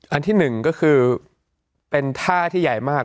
อันที่หนึ่งก็คือเป็นท่าที่ใหญ่มาก